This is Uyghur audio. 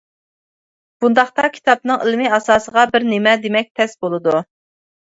بۇنداقتا كىتابنىڭ ئىلمىي ئاساسىغا بىر نېمە دېمەك تەس بولىدۇ.